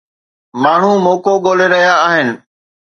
ماڻهو موقعو ڳولي رهيا آهن.